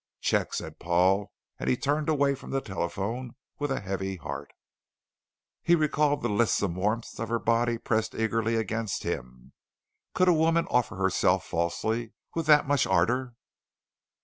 "Check," said Paul, and he turned away from the telephone with a heavy heart. He recalled the lissome warmth of her body pressed eagerly against him; could a woman offer herself falsely with that much ardor?